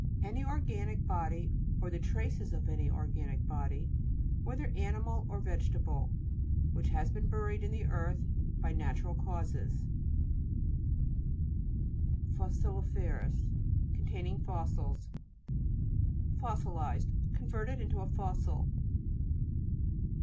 Any organic body, or the traces of anj r organic body, whether animal or vegetable, which has been buried in the earth by natural causes (p. 21). FOSSILI'FEROUS Containing fossils. FOS'SILIZED Converted into a fos sil.